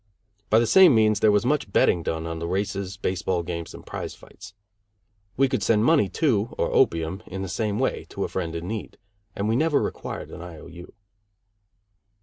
By the same means there was much betting done on the races, baseball games and prize fights. We could send money, too, or opium, in the same way, to a friend in need; and we never required an I. O.